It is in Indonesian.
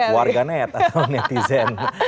warganet atau netizen